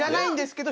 けど